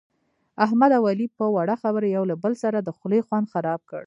احمد اوعلي په وړه خبره یو له بل سره د خولې خوند خراب کړ.